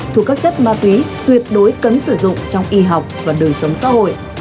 thuộc các chất ma túy tuyệt đối cấm sử dụng trong y học và đời sống xã hội